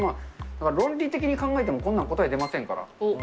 論理的に考えてもこんなん答え出ませんから。